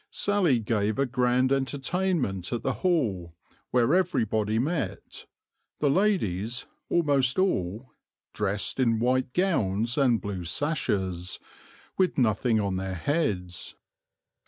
Sally gave a grand entertainment at the Hall, where everybody met the ladies almost all dressed in white gowns and blue sashes, with nothing on their heads.